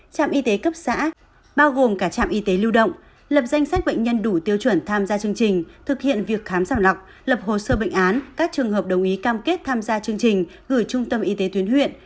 trạm y tế cấp xã bao gồm cả trạm y tế lưu động lập danh sách bệnh nhân đủ tiêu chuẩn tham gia chương trình thực hiện việc khám sàng lọc lập hồ sơ bệnh án các trường hợp đồng ý cam kết tham gia chương trình gửi trung tâm y tế tuyến huyện